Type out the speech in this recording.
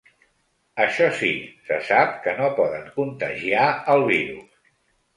Això sí, se sap que no poden contagiar el virus.